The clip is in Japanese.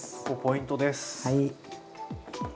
ここポイントです。